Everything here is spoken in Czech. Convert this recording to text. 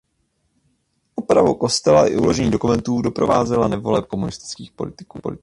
Opravu kostela i uložení dokumentů doprovázela nevole komunistických politiků.